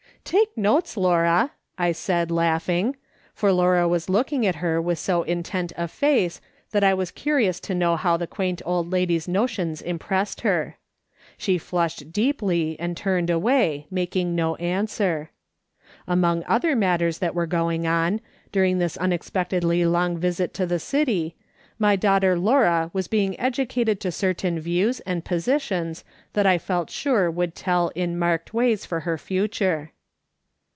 " Take notes, Laura," I said, laughing ; for Laura was looking at her with so intent a face that I was curious to know how the quaint old lady's notions impressed her. She flushed deeply and turned away, makinfi no answer. Among other matters that were going on, during this unexpectedly long visit to the city, my daughter Laura was being educated to cer tain views and positions that I felt sure would tell in marked ways for her future.